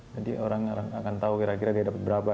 jadi orang akan tahu kira kira mereka dapat berapa